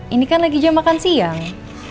ini kan lagi jam makan siang